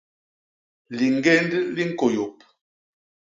Liñgénd li ñkôyôp.